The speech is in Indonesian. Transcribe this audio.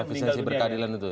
efisiensi berkeadilan itu ya